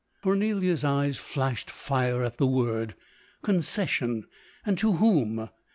Cornelia's eyes flashed fire at the word. Conces sion ! and to whom